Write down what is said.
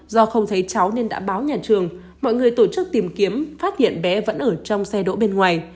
do không thấy cháu nên đã báo nhà trường mọi người tổ chức tìm kiếm phát hiện bé vẫn ở trong xe đỗ bên ngoài